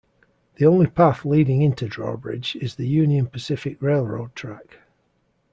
The only path leading into Drawbridge is the Union Pacific Railroad track.